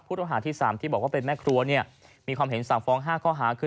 พูดอาหารที่สามที่บอกว่าเป็นแม่ครัวเนี่ยมีความเห็นสามฟ้องห้าข้อหาคือ